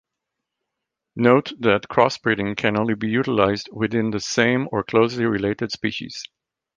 Note that crossbreeding can only be utilized within the same or closely related species.